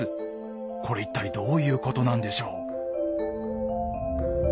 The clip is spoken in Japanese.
これ一体どういうことなんでしょう？